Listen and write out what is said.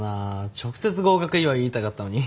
直接合格祝い言いたかったのに。